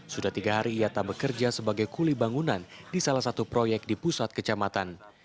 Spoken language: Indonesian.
sudah tiga hari ia tak bekerja sebagai kuli bangunan di salah satu proyek di pusat kecamatan